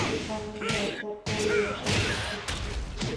قانون باید پر ټولو یو شان تطبیق شي